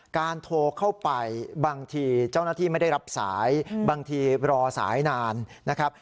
โทรเข้าไปบางทีเจ้าหน้าที่ไม่ได้รับสายบางทีรอสายนานนะครับ